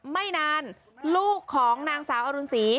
ไม่นานลูกของนางสาวอรุณศรี